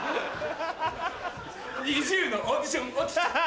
ＮｉｚｉＵのオーディション落ちちゃった。